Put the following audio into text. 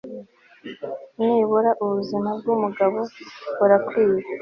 Nibura ubuzima bwumugabo burakwiye